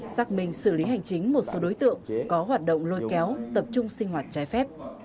xác minh xử lý hành chính một số đối tượng có hoạt động lôi kéo tập trung sinh hoạt trái phép